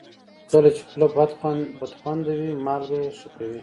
کله چې خوله بدخوند وي، مالګه ښه کوي.